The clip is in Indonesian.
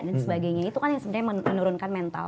dan sebagainya itu kan yang sebenernya menurunkan mental